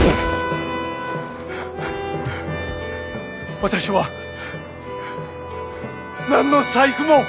私は何の細工も！